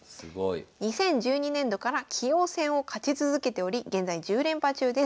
２０１２年度から棋王戦を勝ち続けており現在１０連覇中です。